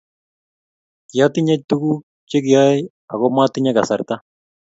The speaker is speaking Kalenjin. kiatinye tuguk che kiayoe ako maatinye kasarta